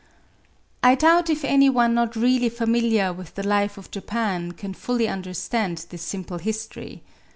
I doubt if any one not really familiar with the life of Japan can fully understand this simple history.